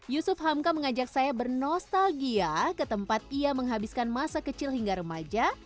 yusuf hamka mengajak saya bernostalgia ke tempat ia menghabiskan masa kecil hingga remaja